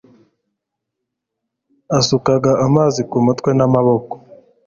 asukaga amazi ku mutwe n'amaboko